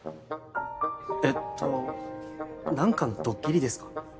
えっと何かのドッキリですか？